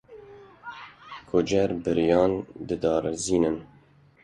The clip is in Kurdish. Kujer bêriyan didarizînin.